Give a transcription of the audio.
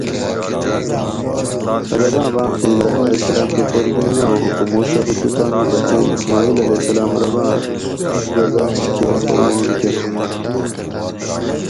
رباۤں باۤم تھی ابرھیم (ع) کہ قُربینی آں حکم ھوش ارو تو تانی بچئ ( اسماعیل علیہ السلام ) رباں رضایٔیں کیر قُربان کۤر